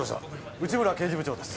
内村刑事部長です。